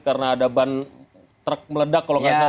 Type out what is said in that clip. karena ada ban terk meledak kalau tidak salah